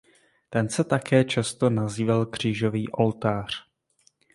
Ten se také často nazýval křížový oltář.